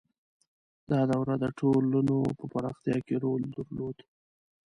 • دا دوره د ټولنو په پراختیا کې رول درلود.